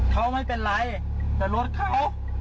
เขาไม่เป็นไรเขาไม่เป็นไรแต่รถเขา